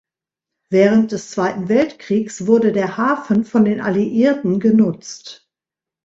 Während des Zweiten Weltkriegs wurde der Hafen von den Alliierten genutzt.